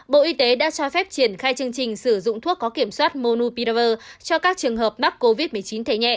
bộ y tế đã cho phép triển khai chương trình sử dụng thuốc có kiểm soát monu piraver cho các trường hợp mắc covid một mươi chín thể nhẹ